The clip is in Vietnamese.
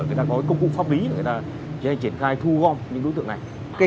để ta có công cụ pháp lý để ta triển khai thu gom những đối tượng này